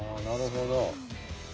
なるほど。